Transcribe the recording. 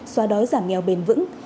xoa đói giảm nghèo bền vững